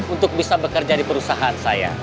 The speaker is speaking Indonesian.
untuk bisa bekerja di perusahaan saya